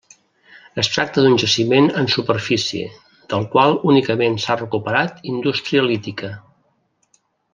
Es tracta d'un jaciment en superfície, del qual únicament s'ha recuperat indústria lítica.